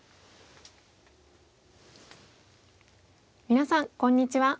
皆さんこんにちは。